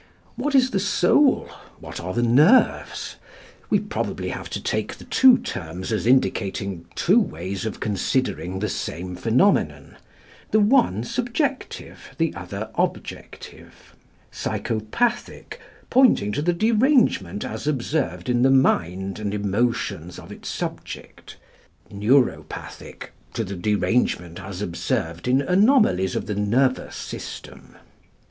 What is the soul, what are the nerves? We have probably to take the two terms as indicating two ways of considering the same phenomenon; the one subjective, the other objective; "psychopathic" pointing to the derangement as observed in the mind emotions of its subject; "neuropathic" to the derangement as observed in anomalies of the nervous system.